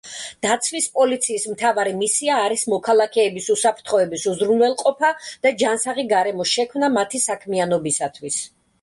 დაცვის პოლიციის მთავარი მისია არის მოქალაქეების უსაფრთხოების უზრუნველყოფა და ჯანსაღი გარემოს შექმნა მათი საქმიანობისათვის.